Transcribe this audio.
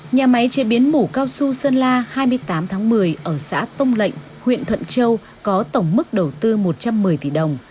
nhà máy chế biến mủ cao su sơn la hai mươi tám tháng một mươi ở xã tông lệnh huyện thuận châu có tổng mức đầu tư một trăm một mươi tỷ đồng